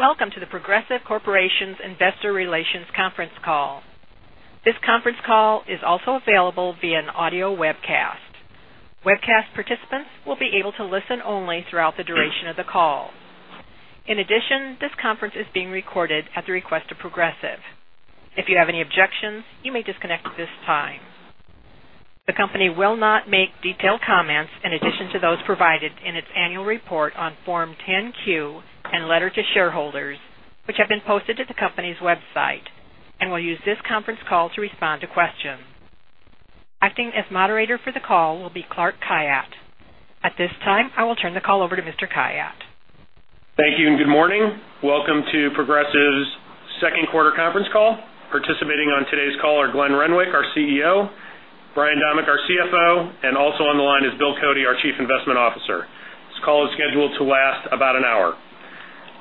Welcome to The Progressive Corporation's Investor Relations conference call. This conference call is also available via an audio webcast. Webcast participants will be able to listen only throughout the duration of the call. In addition, this conference is being recorded at the request of Progressive. If you have any objections, you may disconnect at this time. The company will not make detailed comments in addition to those provided in its annual report on Form 10-Q and letter to shareholders, which have been posted to the company's website, and will use this conference call to respond to questions. Acting as moderator for the call will be Clark Khayat. At this time, I will turn the call over to Mr. Khayat. Thank you. Good morning. Welcome to Progressive's second quarter conference call. Participating on today's call are Glenn Renwick, our CEO, Brian Domeck, our CFO, and also on the line is Bill Cody, our Chief Investment Officer. This call is scheduled to last about an hour.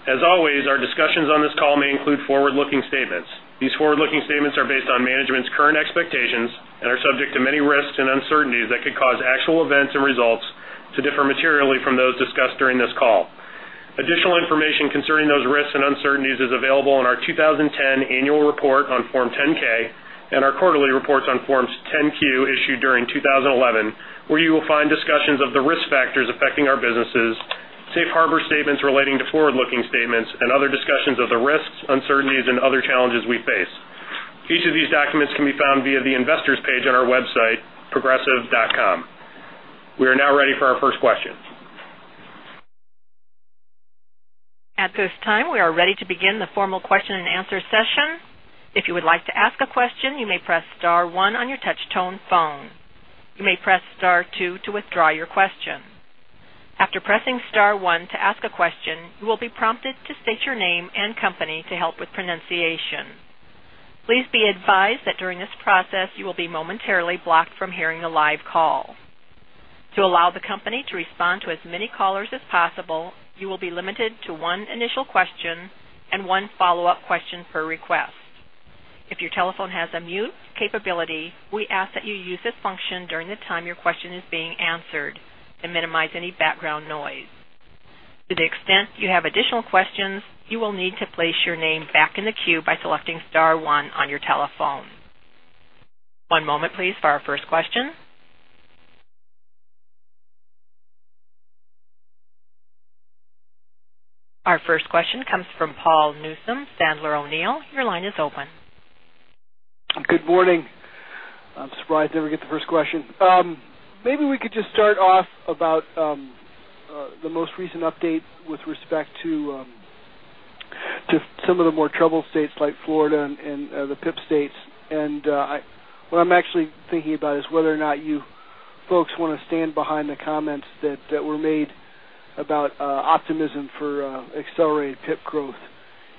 As always, our discussions on this call may include forward-looking statements. These forward-looking statements are based on management's current expectations and are subject to many risks and uncertainties that could cause actual events and results to differ materially from those discussed during this call. Additional information concerning those risks and uncertainties is available in our 2010 annual report on Form 10-K and our quarterly reports on Forms 10-Q issued during 2011, where you will find discussions of the risk factors affecting our businesses, safe harbor statements relating to forward-looking statements, and other discussions of the risks, uncertainties, and other challenges we face. Each of these documents can be found via the investors page on our website, progressive.com. We are now ready for our first question. At this time, we are ready to begin the formal question and answer session. If you would like to ask a question, you may press star one on your touchtone phone. You may press star two to withdraw your question. After pressing star one to ask a question, you will be prompted to state your name and company to help with pronunciation. Please be advised that during this process, you will be momentarily blocked from hearing the live call. To allow the company to respond to as many callers as possible, you will be limited to one initial question and one follow-up question per request. If your telephone has a mute capability, we ask that you use this function during the time your question is being answered to minimize any background noise. To the extent you have additional questions, you will need to place your name back in the queue by selecting star one on your telephone. One moment please for our first question. Our first question comes from Paul Newsome, Sandler O'Neill. Your line is open. Good morning. I'm surprised I ever get the first question. Maybe we could just start off about the most recent update with respect to some of the more troubled states like Florida and the PIP states. What I'm actually thinking about is whether or not you folks want to stand behind the comments that were made about optimism for accelerated PIP growth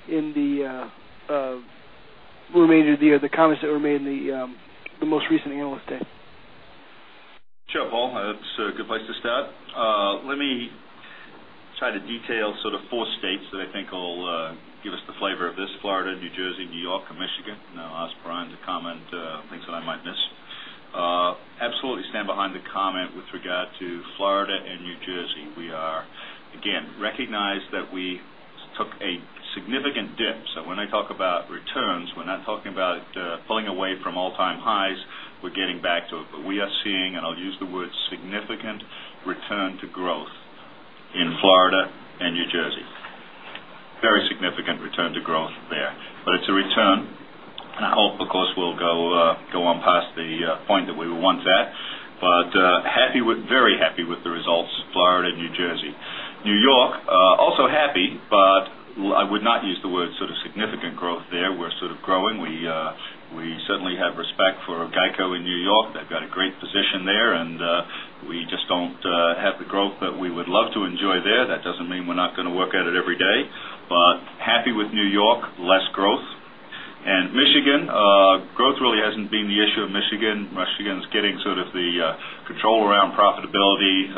in the remainder of the year, the comments that were made in the most recent Analyst Day. Sure, Paul. That's a good place to start. Let me try to detail sort of four states that I think will give us the flavor of this, Florida, New Jersey, New York, and Michigan. I'll ask Brian to comment things that I might miss. Absolutely stand behind the comment with regard to Florida and New Jersey. We are, again, recognize that we took a significant dip. When I talk about returns, we're not talking about pulling away from all-time highs. We're getting back to it. We are seeing, and I'll use the word significant return to growth in Florida and New Jersey. Very significant return to growth there. It's a return, and I hope, of course, we'll go on past the point that we were once at, but very happy with the results, Florida and New Jersey. New York, also happy, I would not use the word significant growth there. We're sort of growing. We certainly have respect for GEICO in New York. They've got a great position there, we just don't have the growth that we would love to enjoy there. That doesn't mean we're not going to work at it every day, happy with New York, less growth. Michigan, growth really hasn't been the issue of Michigan. Michigan's getting sort of the control around profitability,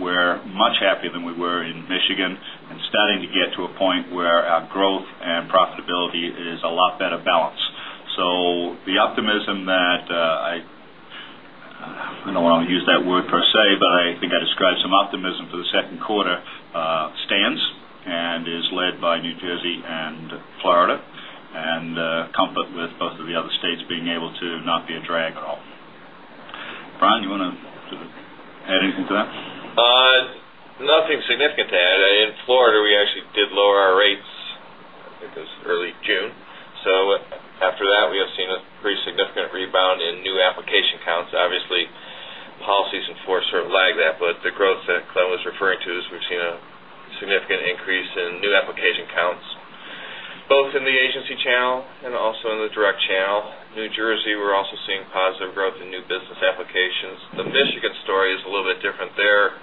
we're much happier than we were in Michigan and starting to get to a point where our growth and profitability is a lot better balanced. Optimism that, I don't want to use that word per se, but I think I described some optimism for the second quarter stands and is led by New Jersey and Florida, and comfort with both of the other states being able to not be a drag at all. Brian, you want to add anything to that? Nothing significant to add. In Florida, we actually did lower our rates, I think it was early June. After that, we have seen a pretty significant rebound in new application counts. Obviously, policies enforced sort of lag that, but the growth that Glenn was referring to is we've seen a significant increase in new application counts, both in the agency channel and also in the direct channel. New Jersey, we're also seeing positive growth in new business applications. The Michigan story is a little bit different there.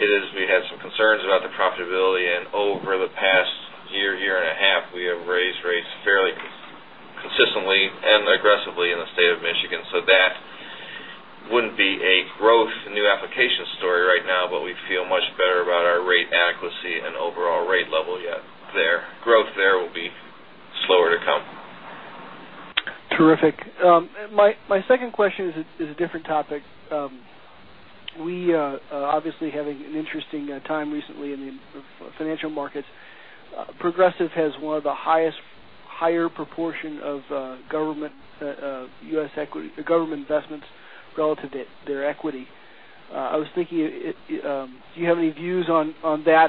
It is we had some concerns about the profitability, and over the past year and a half, we have raised rates fairly consistently and aggressively in the state of Michigan. That wouldn't be a growth new application story right now, but we feel much better about our rate adequacy and overall rate level yet there. Terrific. My second question is a different topic. We are obviously having an interesting time recently in the financial markets. Progressive has one of the higher proportion of government investments relative to their equity. I was thinking, do you have any views on that?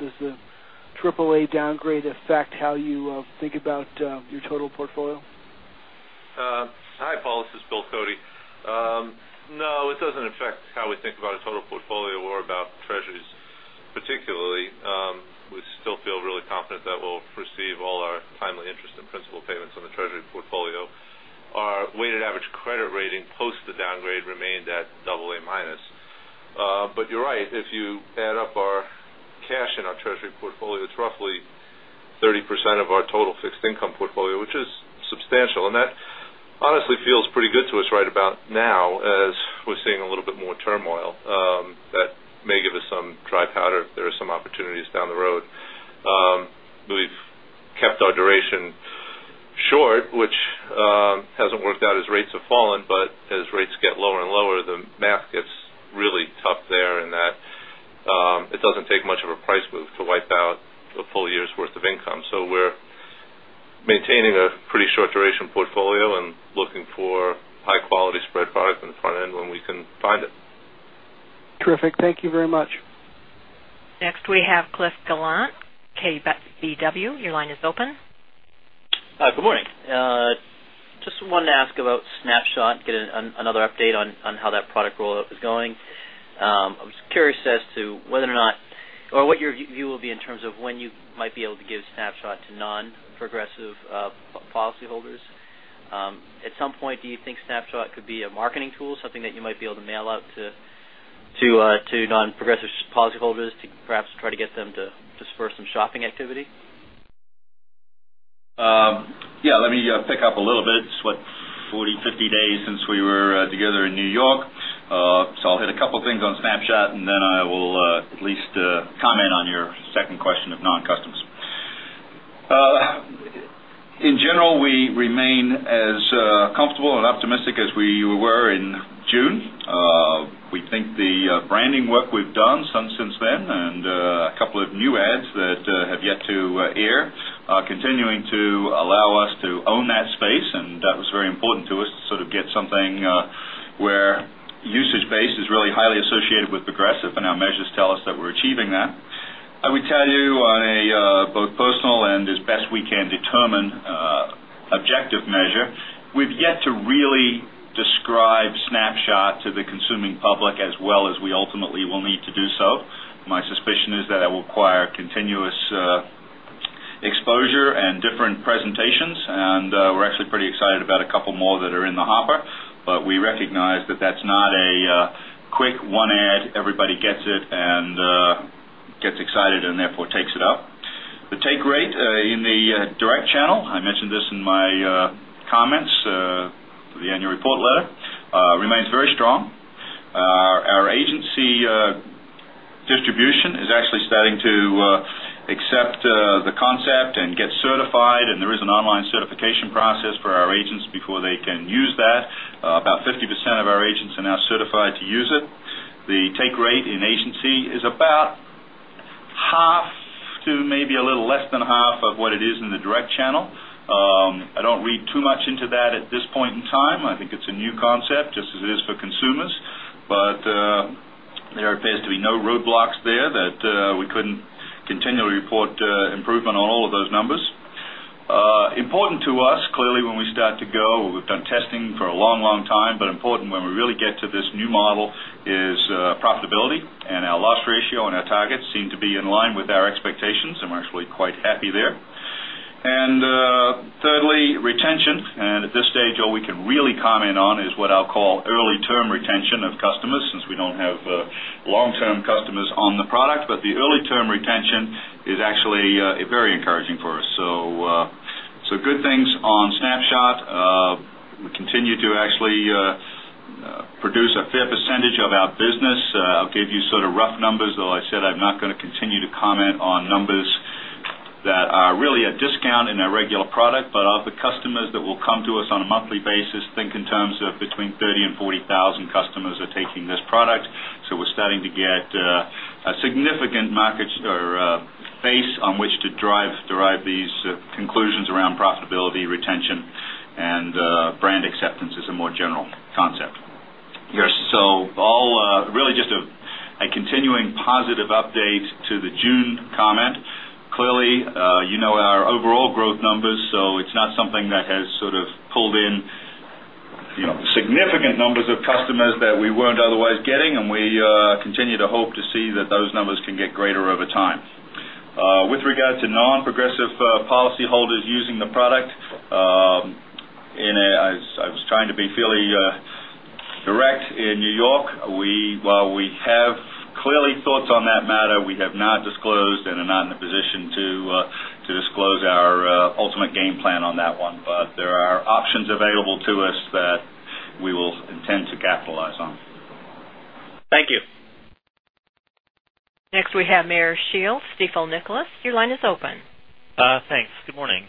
Does the AAA downgrade affect how you think about your total portfolio? Hi, Paul. This is Bill Cody. No, it doesn't affect how we think about a total portfolio or about treasuries particularly. We still feel really confident that we'll receive all our timely interest and principal payments on the treasury portfolio. Our weighted average credit rating post the downgrade remained at AA-. You're right, if you add up our cash in our treasury portfolio, it's roughly 30% of our total fixed income portfolio, which is substantial. That honestly feels pretty good to us right about now as we're seeing a little bit more turmoil. That may give us some dry powder if there are some opportunities down the road. We've kept our duration short, which hasn't worked out as rates have fallen, but as rates get lower and lower, the math gets really tough there in that it doesn't take much of a price move to wipe out a full year's worth of income. We're maintaining a pretty short duration portfolio and looking for high-quality spread product on the front end when we can find it. Terrific. Thank you very much. Next, we have Cliff Gallant, KBW. Your line is open. Hi, good morning. Just wanted to ask about Snapshot, get another update on how that product rollout is going. I was curious as to what your view will be in terms of when you might be able to give Snapshot to non-Progressive policyholders. At some point, do you think Snapshot could be a marketing tool, something that you might be able to mail out to non-Progressive policyholders to perhaps try to get them to spur some shopping activity? Yeah, let me pick up a little bit. It's what, 40, 50 days since we were together in New York. I'll hit a couple of things on Snapshot, and then I will at least comment on your second question of non-customers. In general, we remain as comfortable and optimistic as we were in June. We think the branding work we've done since then, and a couple of new ads that have yet to air, are continuing to allow us to own that space, and that was very important to us to sort of get something where usage base is really highly associated with Progressive, and our measures tell us that we're achieving that. I would tell you on a both personal and as best we can determine objective measure, we've yet to really describe Snapshot to the consuming public as well as we ultimately will need to do so. My suspicion is that it will require continuous exposure and different presentations, and we're actually pretty excited about a couple more that are in the hopper. We recognize that that's not a quick one ad, everybody gets it, and gets excited and therefore takes it up. The take rate in the direct channel, I mentioned this in my comments for the annual report letter, remains very strong. Our agency distribution is actually starting to accept the concept and get certified, and there is an online certification process for our agents before they can use that. About 50% of our agents are now certified to use it. The take rate in agency is about half to maybe a little less than half of what it is in the direct channel. I don't read too much into that at this point in time. I think it's a new concept, just as it is for consumers. There appears to be no roadblocks there that we couldn't continually report improvement on all of those numbers. Important to us, clearly, when we start to go, we've done testing for a long time, but important when we really get to this new model is profitability, and our loss ratio and our targets seem to be in line with our expectations, and we're actually quite happy there. Thirdly, retention. At this stage, all we can really comment on is what I'll call early term retention of customers, since we don't have long-term customers on the product. The early term retention is actually very encouraging for us. Good things on Snapshot. We continue to actually produce a fair percentage of our business. I'll give you sort of rough numbers, although I said I'm not going to continue to comment on numbers that are really a discount in our regular product. Of the customers that will come to us on a monthly basis, think in terms of between 30,000 and 40,000 customers are taking this product. We're starting to get a significant market or base on which to derive these conclusions around profitability, retention, and brand acceptance as a more general concept. Yes. Really just a continuing positive update to the June comment. Clearly, you know our overall growth numbers, it's not something that has sort of pulled in significant numbers of customers that we weren't otherwise getting, and we continue to hope to see that those numbers can get greater over time. With regard to non-Progressive policyholders using the product, I was trying to be fairly direct in New York. While we have clearly thoughts on that matter, we have not disclosed and are not in a position to disclose our ultimate game plan on that one. There are options available We have Meyer Shields, Stifel, Nicolaus, your line is open. Thanks. Good morning.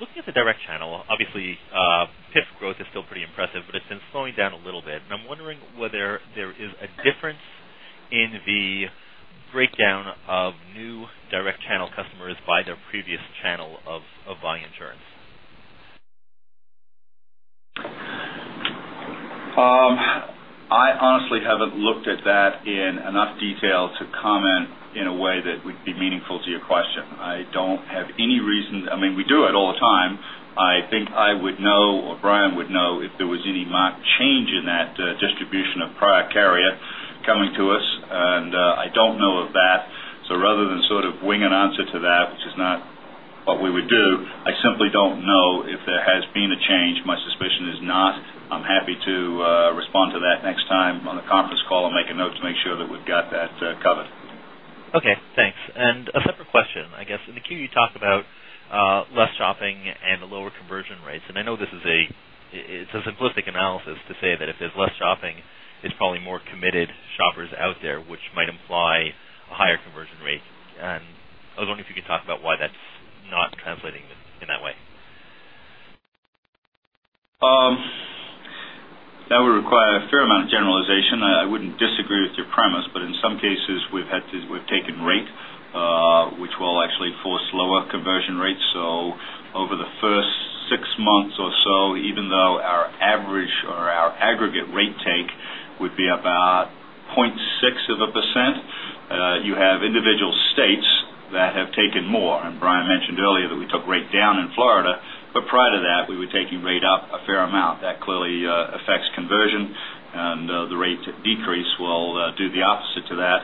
Looking at the direct channel, obviously, PIP growth is still pretty impressive, but it's been slowing down a little bit. I'm wondering whether there is a difference in the breakdown of new direct channel customers by their previous channel of buying insurance. I honestly haven't looked at that in enough detail to comment in a way that would be meaningful to your question. I don't have any reason. We do it all the time. I think I would know, or Brian would know, if there was any marked change in that distribution of product carrier coming to us, and I don't know of that. Rather than wing an answer to that, which is not what we would do, I simply don't know if there has been a change. My suspicion is not. I'm happy to respond to that next time on a conference call and make a note to make sure that we've got that covered. Okay, thanks. A separate question, I guess. In the Q, you talk about less shopping and lower conversion rates. I know it's a simplistic analysis to say that if there's less shopping, it's probably more committed shoppers out there, which might imply a higher conversion rate. I was wondering if you could talk about why that's not translating in that way. That would require a fair amount of generalization. I wouldn't disagree with your premise, but in some cases, we've taken rate, which will actually force lower conversion rates. Over the first six months or so, even though our average or our aggregate rate take would be about 0.6%, you have individual states that have taken more. Brian mentioned earlier that we took rate down in Florida, but prior to that, we were taking rate up a fair amount. That clearly affects conversion, and the rate decrease will do the opposite to that.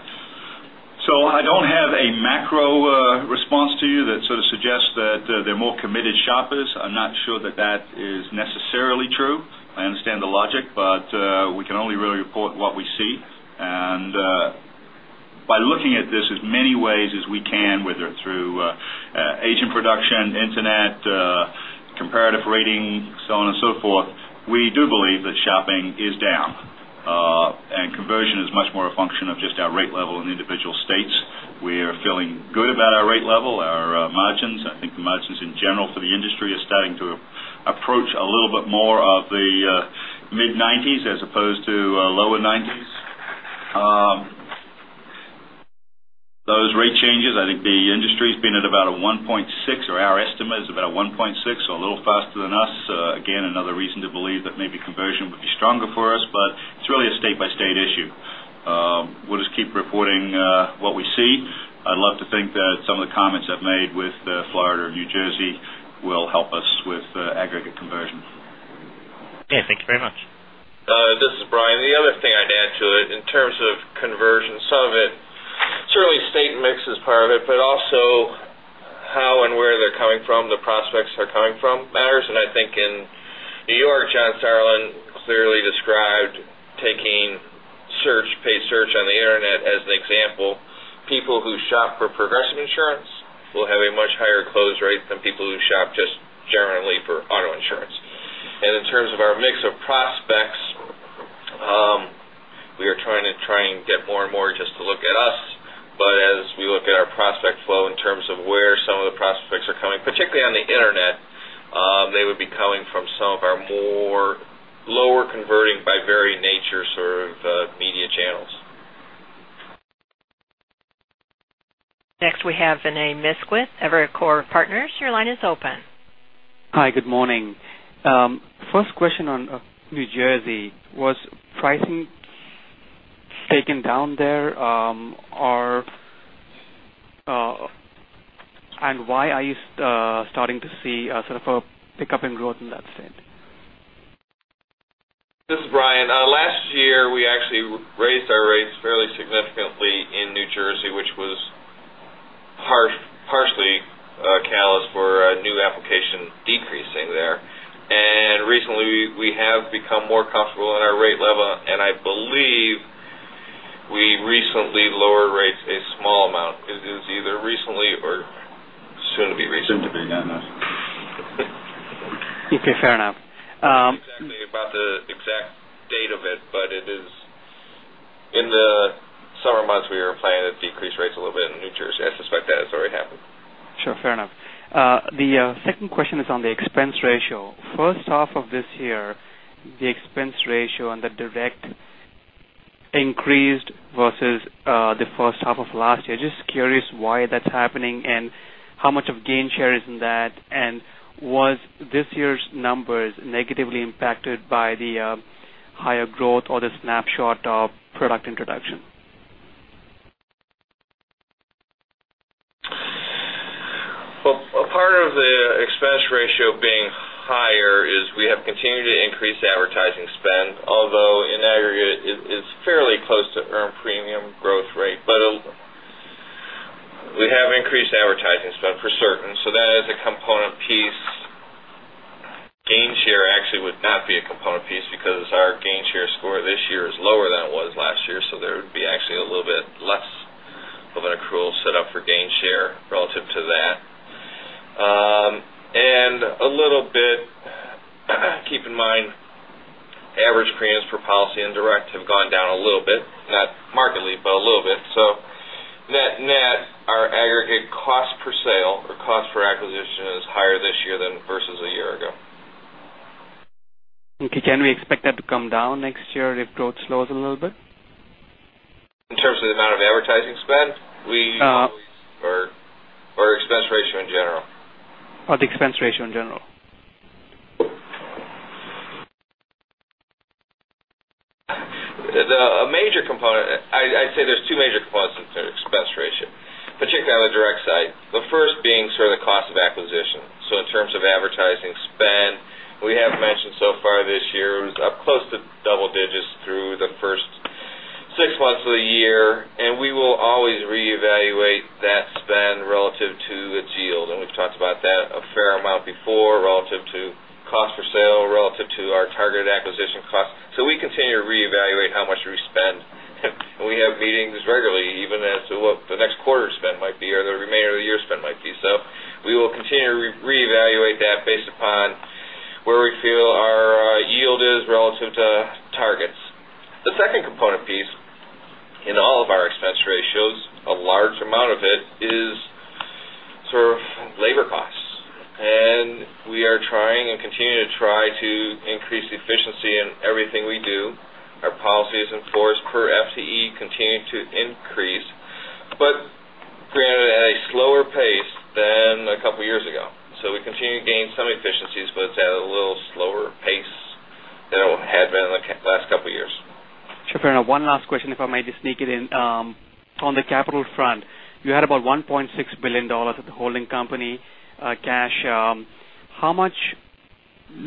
I don't have a macro response to you that sort of suggests that they're more committed shoppers. I'm not sure that that is necessarily true. I understand the logic, but we can only really report what we see. By looking at this as many ways as we can, whether through agent production, internet, comparative rating, so on and so forth, we do believe that shopping is down. Conversion is much more a function of just our rate level in individual states. We are feeling good about our rate level, our margins. I think the margins in general for the industry are starting to approach a little bit more of the mid-'90s as opposed to lower '90s. Those rate changes, I think the industry's been at about a 1.6, or our estimate is about 1.6, so a little faster than us. Again, another reason to believe that maybe conversion would be stronger for us, but it's really a state-by-state issue. We'll just keep reporting what we see. I'd love to think that some of the comments I've made with Florida or New Jersey will help us with aggregate conversion. Okay, thank you very much. This is Brian. The other thing I'd add to it, in terms of conversion, some of it, certainly state mix is part of it, but also how and where they're coming from, the prospects they're coming from matters. I think in New York, John Sauerland clearly described taking paid search on the internet as an example. People who shop for Progressive insurance will have a much higher close rate than people who shop just generally for auto insurance. In terms of our mix of prospects, we are trying to get more and more just to look at us. As we look at our prospect flow in terms of where some of the prospects are coming, particularly on the internet, they would be coming from some of our more lower converting by very nature sort of media channels. Next, we have Vinay Misquith, Evercore Partners. Your line is open. Hi, good morning. First question on New Jersey, was pricing taken down there? Why are you starting to see sort of a pickup in growth in that state? This is Brian. Last year, we actually raised our rates fairly significantly in New Jersey, which was partially a catalyst for new application decreasing there. Recently, we have become more comfortable in our rate level, and I believe we recently lowered rates a small amount. It is either recently or soon to be recently. Soon to be, yeah, I know. Okay, fair enough. I can't tell you exactly about the exact date of it, but in the summer months, we were planning to decrease rates a little bit in New Jersey. I suspect that it's already happened. Sure, fair enough. The second question is on the expense ratio. First half of this year, the expense ratio on the direct increased versus the first half of last year. Just curious why that's happening and how much of Gainshare is in that, and was this year's numbers negatively impacted by the higher growth or the Snapshot product introduction? Well, a part of the expense ratio being higher is we have continued to increase advertising spend, although in aggregate, it's fairly close to earned premium growth rate. We have increased advertising spend for certain. That is a component piece. Gainshare actually would not be a component piece because our Gainshare score this year is lower than it was last year, so there would be actually a little bit less of an accrual set up for Gainshare. For policy and direct have gone down a little bit, not markedly, but a little bit. Net-net, our aggregate cost per sale or cost per acquisition is higher this year than versus a year ago. Okay. Can we expect that to come down next year if growth slows a little bit? In terms of the amount of advertising spend? No. Expense ratio in general? The expense ratio in general. The major component, I'd say there's two major components in an expense ratio, particularly on the direct side. The first being sort of the cost of acquisition, so in terms of advertising spend. We have mentioned so far this year it was up close to double digits through the first six months of the year. We will always reevaluate that spend relative to its yield. We've talked about that a fair amount before, relative to cost per sale, relative to our targeted acquisition cost. We continue to reevaluate how much we spend. We have meetings regularly even as to what the next quarter spend might be or the remainder of the year spend might be. We will continue to reevaluate that based upon where we feel our yield is relative to targets. The second component piece in all of our expense ratios, a large amount of it is sort of labor costs. We are trying and continue to try to increase efficiency in everything we do. Our policies and floors per FTE continue to increase, granted, at a slower pace than a couple of years ago. We continue to gain some efficiencies, but it's at a little slower pace than it had been in the last couple of years. Sure. One last question, if I may just sneak it in. On the capital front, you had about $1.6 billion at the holding company cash. How much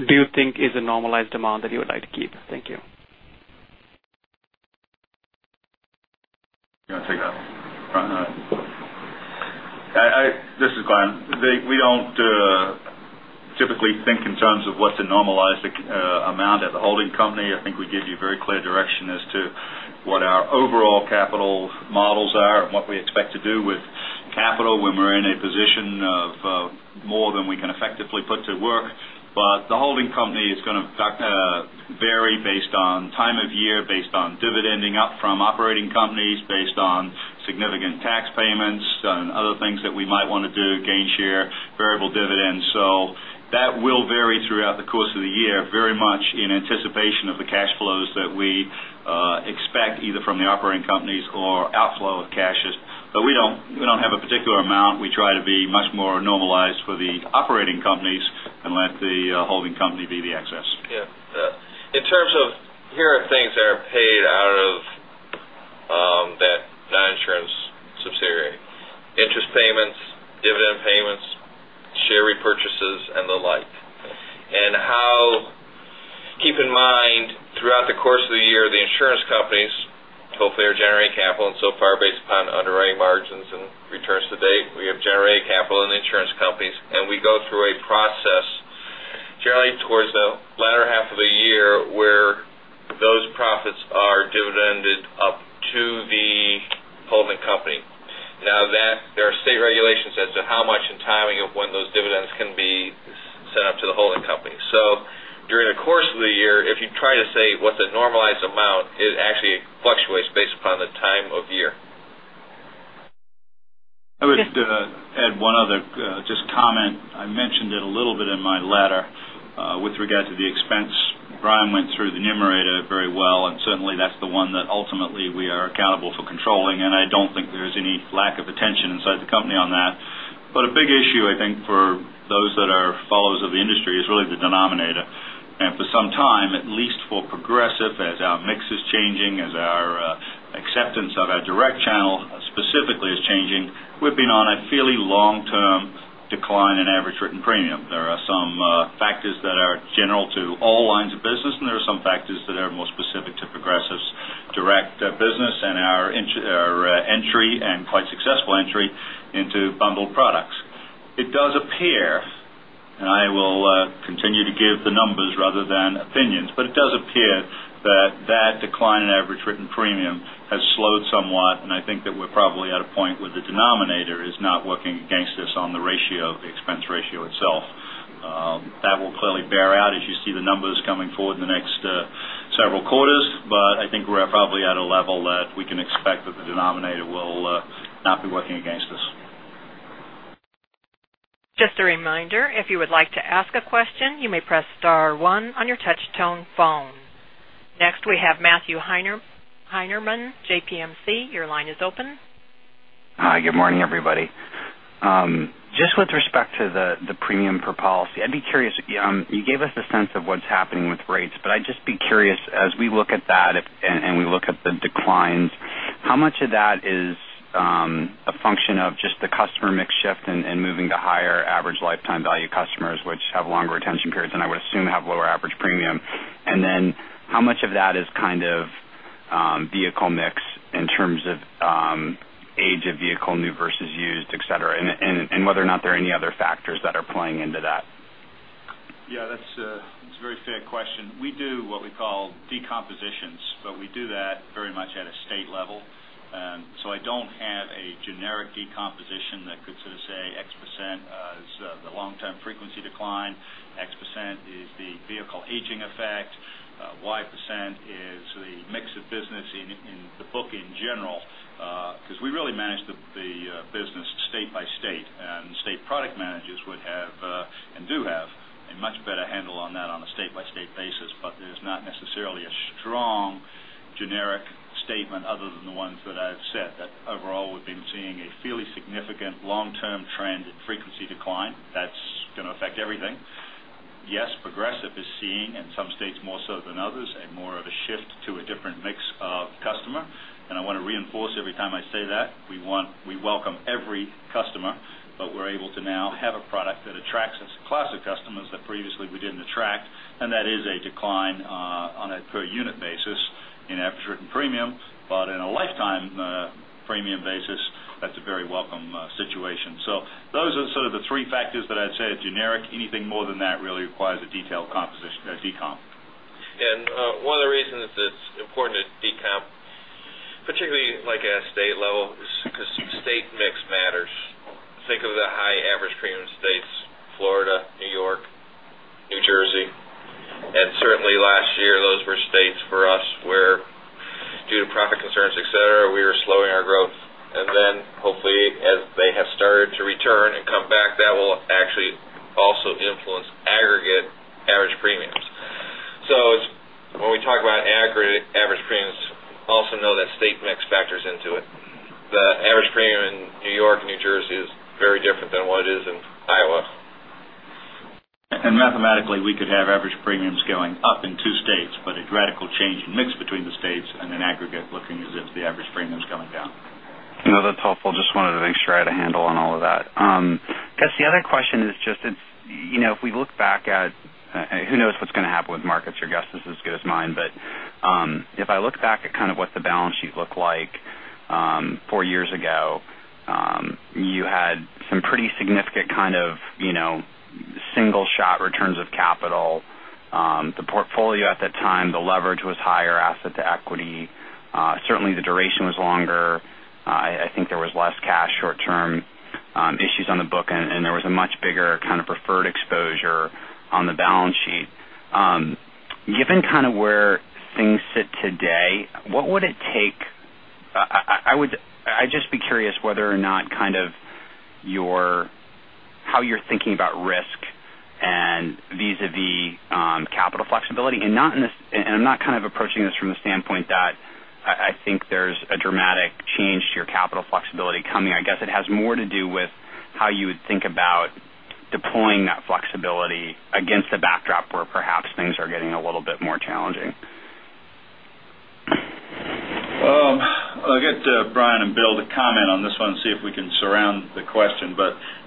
do you think is a normalized amount that you would like to keep? Thank you. You want to take that one? All right. This is Brian. We don't typically think in terms of what's a normalized amount at the holding company. I think we give you very clear direction as to what our overall capital models are and what we expect to do with capital when we're in a position of more than we can effectively put to work. The holding company is going to vary based on time of year, based on dividending up from operating companies, based on significant tax payments and other things that we might want to do, Gainshare variable dividends. That will vary throughout the course of the year, very much in anticipation of the cash flows that we expect, either from the operating companies or outflow of cashes. We don't have a particular amount. We try to be much more normalized for the operating companies and let the holding company be the excess. Yeah. In terms of here are things that are paid out of that non-insurance subsidiary, interest payments, dividend payments, share repurchases, and the like. How, keep in mind, throughout the course of the year, the insurance companies hopefully are generating capital, so far, based upon underwriting margins and returns to date, we have generated capital in the insurance companies, and we go through a process generally towards the latter half of the year where those profits are dividended up to the holding company. There are state regulations as to how much and timing of when those dividends can be sent up to the holding company. During the course of the year, if you try to say what the normalized amount is, actually it fluctuates based upon the time of year. I would add one other just comment. I mentioned it a little bit in my letter with regards to the expense. Brian went through the numerator very well, and certainly, that's the one that ultimately we are accountable for controlling, and I don't think there's any lack of attention inside the company on that. A big issue, I think, for those that are followers of the industry is really the denominator. For some time, at least for Progressive, as our mix is changing, as our acceptance of our direct channel specifically is changing, we've been on a fairly long-term decline in average written premium. There are some factors that are general to all lines of business, and there are some factors that are more specific to Progressive's direct business and our entry, and quite successful entry, into bundled products. It does appear, and I will continue to give the numbers rather than opinions, but it does appear that that decline in average written premium has slowed somewhat, and I think that we're probably at a point where the denominator is not working against us on the ratio, the expense ratio itself. That will clearly bear out as you see the numbers coming forward in the next several quarters, but I think we're probably at a level that we can expect that the denominator will not be working against us. Just a reminder, if you would like to ask a question, you may press star one on your touch-tone phone. Next, we have Matthew Heineman, JPMorgan. Your line is open. Hi. Good morning, everybody. Just with respect to the premium per policy, I'd be curious. You gave us a sense of what's happening with rates, but I'd just be curious, as we look at that and we look at the declines, how much of that is a function of just the customer mix shift and moving to higher average lifetime value customers, which have longer retention periods, and I would assume have lower average premium? Then how much of that is kind of vehicle mix in terms of age of vehicle, new versus used, et cetera, and whether or not there are any other factors that are playing into that? Yeah, that's a very fair question. We do what we call decomposition We do that very much at a state level. I don't have a generic decomposition that could sort of say X% is the long-term frequency decline, X% is the vehicle aging effect, Y% is the mix of business in the book in general, because we really manage the business state by state, and the state product managers would have, and do have a much better handle on that on a state-by-state basis. There's not necessarily a strong generic statement other than the ones that I've said, that overall, we've been seeing a fairly significant long-term trend in frequency decline that's going to affect everything. Yes, Progressive is seeing, in some states more so than others, a more of a shift to a different mix of customer. I want to reinforce every time I say that, we welcome every customer, but we're able to now have a product that attracts classic customers that previously we didn't attract, and that is a decline on a per unit basis in average written premium. In a lifetime premium basis, that's a very welcome situation. Those are sort of the three factors that I'd say are generic. Anything more than that really requires a detailed composition, a decomp. One of the reasons it's important to decomp, particularly at a state level, is because state mix matters. Think of the high average premium states, Florida, New York, New Jersey. Certainly last year, those were states for us where due to profit concerns, et cetera, we were slowing our growth. Hopefully, as they have started to return and come back, that will actually also influence aggregate average premiums. When we talk about aggregate average premiums, also know that state mix factors into it. The average premium in New York and New Jersey is very different than what it is in Iowa. Mathematically, we could have average premiums going up in two states, but a radical change in mix between the states and an aggregate looking as if the average premium is coming down. No, that's helpful. Just wanted to make sure I had a handle on all of that. I guess the other question is just if we look back at, who knows what's going to happen with markets, your guess is as good as mine. If I look back at kind of what the balance sheet looked like four years ago, you had some pretty significant kind of single shot returns of capital. The portfolio at that time, the leverage was higher asset to equity. Certainly, the duration was longer. I think there was less cash short-term issues on the book, and there was a much bigger kind of preferred exposure on the balance sheet. Given kind of where things sit today, what would it take? I'd just be curious whether or not kind of how you're thinking about risk and vis-à-vis capital flexibility. I'm not kind of approaching this from the standpoint that I think there's a dramatic change to your capital flexibility coming. I guess it has more to do with how you would think about deploying that flexibility against a backdrop where perhaps things are getting a little bit more challenging. Well, I'll get Brian and Bill to comment on this one, see if we can surround the question.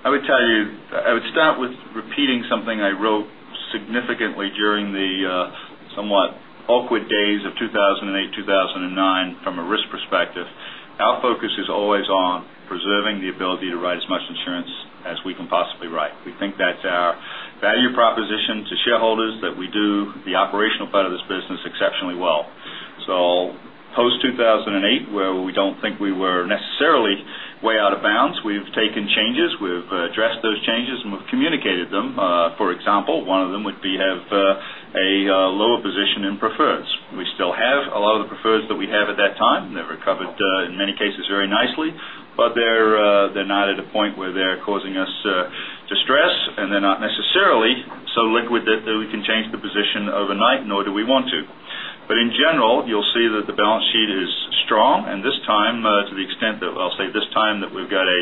I would tell you, I would start with repeating something I wrote significantly during the somewhat awkward days of 2008, 2009 from a risk perspective. Our focus is always on preserving the ability to write as much insurance as we can possibly write. We think that's our value proposition to shareholders, that we do the operational part of this business exceptionally well. Post-2008, where we don't think we were necessarily way out of bounds, we've taken changes, we've addressed those changes, and we've communicated them. For example, one of them would be have a lower position in preferreds. We still have a lot of the preferreds that we have at that time, and they've recovered, in many cases, very nicely. They're not at a point where they're causing us distress, and they're not necessarily so liquid that we can change the position overnight, nor do we want to. In general, you'll see that the balance sheet is strong. This time, to the extent that I'll say this time that we've got a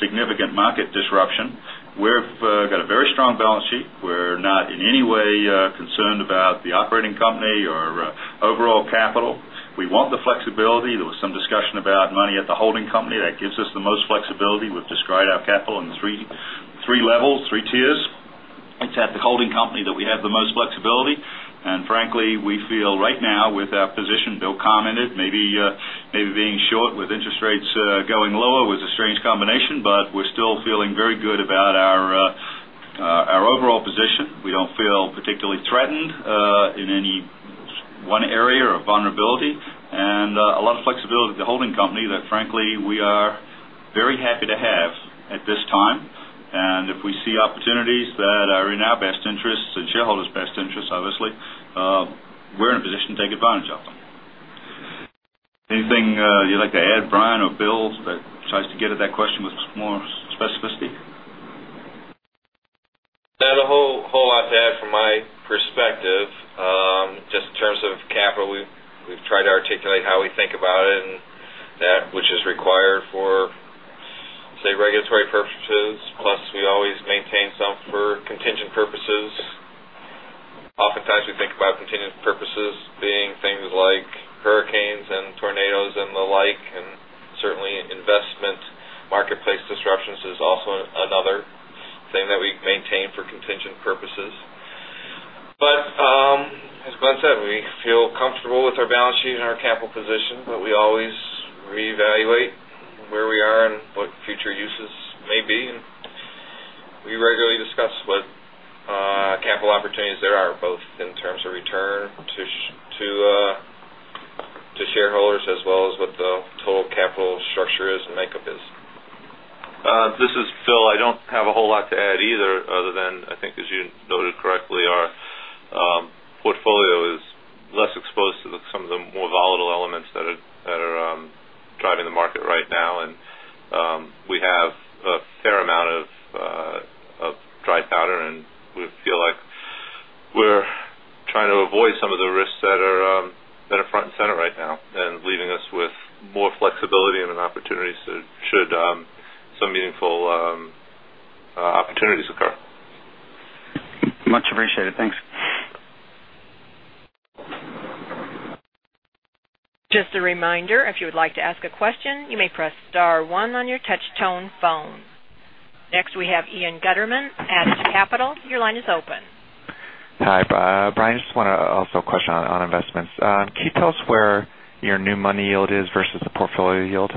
significant market disruption, we've got a very strong balance sheet. We're not in any way concerned about the operating company or overall capital. We want the flexibility. There was some discussion about money at the holding company that gives us the most flexibility. We've described our capital in 3 levels, 3 tiers. It's at the holding company that we have the most flexibility. Frankly, we feel right now with our position, Bill commented, maybe being short with interest rates going lower was a strange combination, we're still feeling very good about our overall position. We don't feel particularly threatened in any one area or vulnerability, a lot of flexibility at the holding company that frankly we are very happy to have at this time. If we see opportunities that are in our best interest, the shareholders' best interest, obviously, we're in a position to take advantage of them. Anything you'd like to add, Brian or Bill, that tries to get at that question with more specificity? Not a whole lot to add from my perspective. Just in terms of capital, we've tried to articulate how we think about it and that which is required for, say, regulatory purposes. Plus, we always maintain some for contingent purposes. Oftentimes we think about contingent purposes being things like hurricanes and tornadoes and the like, and certainly investment marketplace disruptions is also another thing that we maintain for contingent purposes. As Glenn said, we feel comfortable with our balance sheet and our capital position, but we always reevaluate Capital opportunities there are both in terms of return to shareholders as well as what the total capital structure is and makeup is. This is Phil. I don't have a whole lot to add either, other than I think as you noted correctly, our portfolio is less exposed to some of the more volatile elements that are driving the market right now. We have a fair amount of dry powder. We feel like we're trying to avoid some of the risks that are front and center right now and leaving us with more flexibility and opportunities should some meaningful opportunities occur. Much appreciated. Thanks. Just a reminder, if you would like to ask a question, you may press star one on your touch-tone phone. Next, we have Ian Gutterman, Adage Capital. Your line is open. Hi, Brian. I just want to also question on investments. Can you tell us where your new money yield is versus the portfolio yield?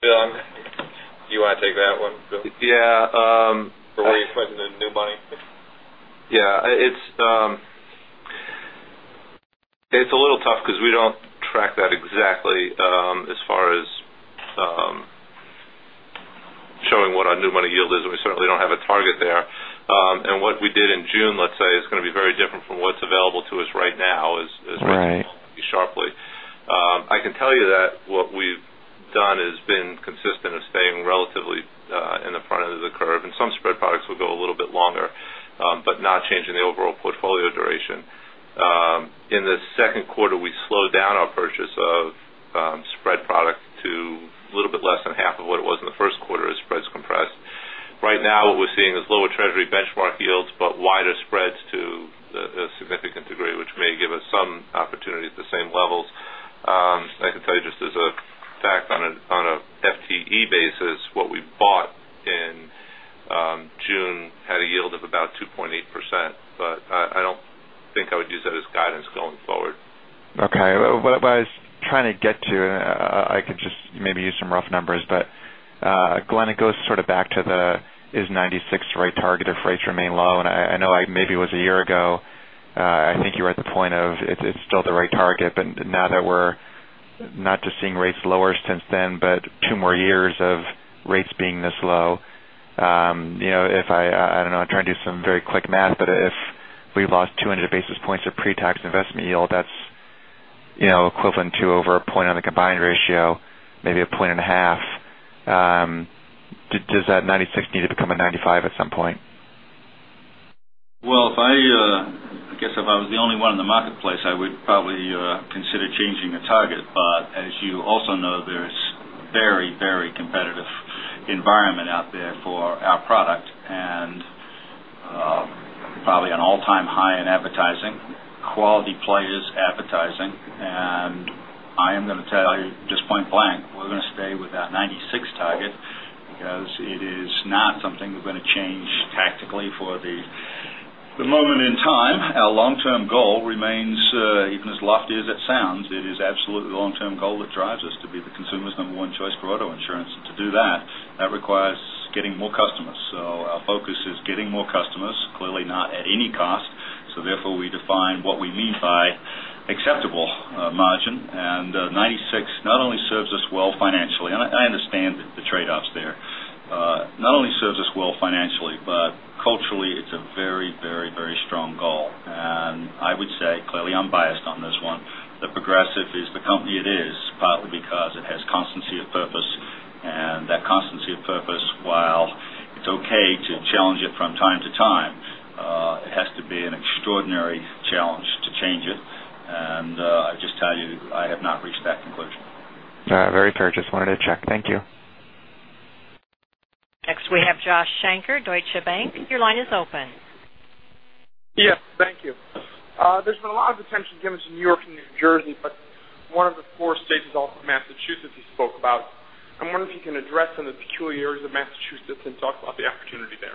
Bill, do you want to take that one, Bill? Yeah. Where you're putting the new money? Yeah. It's a little tough because we don't track that exactly as far as showing what our new money yield is, and we certainly don't have a target there. What we did in June, let's say, is going to be very different from what's available to us right now as rates move sharply. Right. I can tell you that what we've done has been consistent of staying relatively in the front end of the curve, and some spread products will go a little bit longer but not changing the overall portfolio duration. In the second quarter, we slowed down our purchase of spread product to a little bit less than half of what it was in the first quarter as spreads compressed. Right now, what we're seeing is lower Treasury benchmark yields, but wider spreads to a significant degree, which may give us some opportunity at the same levels. I can tell you just as a fact, on an FTE basis, what we bought in June had a yield of about 2.8%. I don't think I would use that as guidance going forward. Okay. What I was trying to get to, I could just maybe use some rough numbers, but Glenn, it goes sort of back to the, is 96 the right target if rates remain low? I know maybe it was a year ago, I think you were at the point of it's still the right target, but now that we're not just seeing rates lower since then, but two more years of rates being this low. I don't know. I'm trying to do some very quick math, but if we've lost 200 basis points of pre-tax investment yield, that's equivalent to over a point on the combined ratio, maybe a point and a half. Does that 96 need to become a 95 at some point? Well, I guess if I was the only one in the marketplace, I would probably consider changing the target. As you also know, there's very competitive environment out there for our product and probably an all-time high in advertising, quality players advertising. I am going to tell you just point-blank, we're going to stay with that 96 target because it is not something we're going to change tactically for the moment in time. Our long-term goal remains, even as lofty as it sounds, it is absolutely the long-term goal that drives us to be the consumer's number one choice for auto insurance. To do that requires getting more customers. Our focus is getting more customers, clearly not at any cost. Therefore, we define what we mean by acceptable margin. 96 not only serves us well financially, and I understand the trade-offs there. Not only serves us well financially, but culturally it's a very strong goal. I would say, clearly I'm biased on this one, but Progressive is the company it is partly because it has constancy of purpose. That constancy of purpose, while it's okay to challenge it from time to time, it has to be an extraordinary challenge to change it. I just tell you, I have not reached that conclusion. Very fair. Just wanted to check. Thank you. Next, we have Josh Shanker, Deutsche Bank. Your line is open. Yes. Thank you. There's been a lot of attention given to New York and New Jersey, one of the four states is also Massachusetts you spoke about. I'm wondering if you can address some of the peculiarities of Massachusetts and talk about the opportunity there.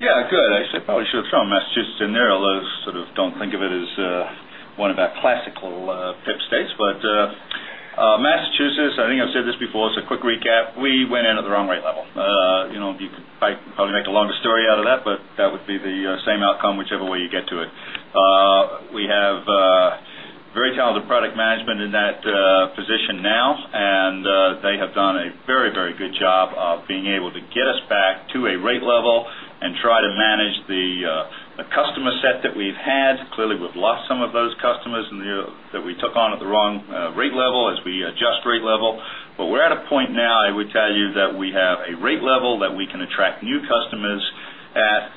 Yeah, I could. I actually probably should have thrown Massachusetts in there, although sort of don't think of it as one of our classical PIP states. Massachusetts, I think I've said this before, as a quick recap, we went in at the wrong rate level. You could probably make a longer story out of that, but that would be the same outcome whichever way you get to it. We have very talented product management in that position now, and they have done a very good job of being able to get us back to a rate level and try to manage the customer set that we've had. Clearly, we've lost some of those customers that we took on at the wrong rate level as we adjust rate level. We're at a point now, I would tell you, that we have a rate level that we can attract new customers at.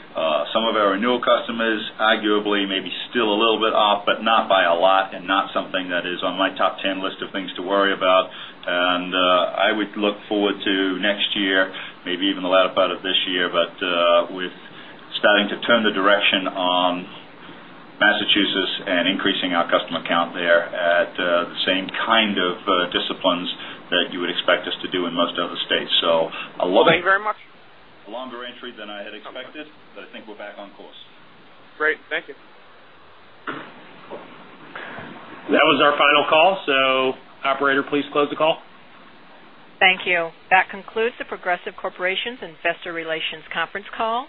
Some of our renewal customers arguably may be still a little bit off, but not by a lot and not something that is on my top 10 list of things to worry about. I would look forward to next year, maybe even the latter part of this year, but with starting to turn the direction on Massachusetts and increasing our customer count there at the same kind of disciplines that you would expect us to do in most other states. Thank you very much. A longer entry than I had expected, I think we're back on course. Great. Thank you. That was our final call. Operator, please close the call. Thank you. That concludes The Progressive Corporation's Investor Relations Conference Call.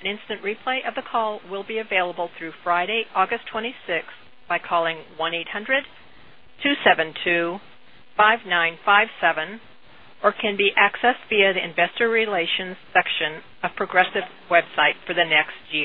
An instant replay of the call will be available through Friday, August twenty-sixth by calling 1-800-272-5957, or can be accessed via the Investor Relations section of Progressive's website for the next year